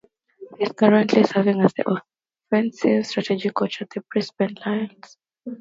He is currently serving as the Offensive Strategy Coach at the Brisbane Lions.